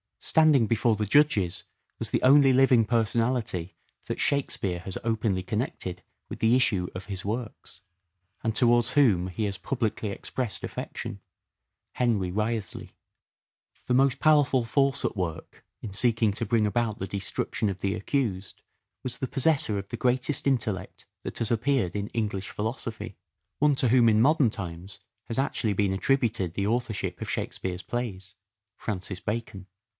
Standing before the judges was the only living personality that " Shakespeare " has openly connected with the issue of his works, and towards whom he has publicly expressed affection : Henry Wriothesley. The most powerful force at work in seeking to bring about the destruction of the accused was the possessor of the greatest intellect that has appeared in English philosophy : one to whom in modern times has actually been attributed the authorship of Shakespeare's plays — Francis Bacon.